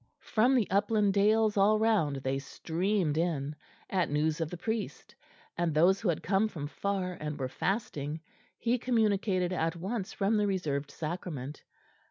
From the upland dales all round they streamed in, at news of the priest, and those who had come from far and were fasting he communicated at once from the Reserved Sacrament.